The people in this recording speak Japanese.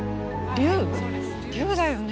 竜だよね？